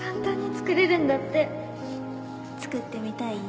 作ってみたい？